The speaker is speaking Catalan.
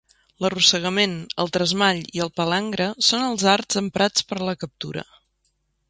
L'arrossegament, el tresmall i el palangre són els arts emprats per a la captura.